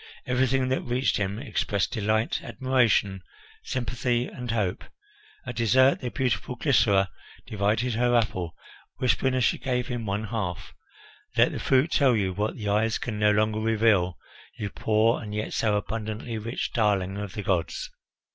Everything that reached him expressed delight, admiration, sympathy, and hope. At dessert the beautiful Glycera divided her apple, whispering as she gave him one half, "Let the fruit tell you what the eyes can no longer reveal, you poor and yet so abundantly rich darling of the gods."